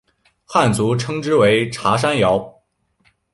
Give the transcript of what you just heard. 汉族称之为茶山瑶。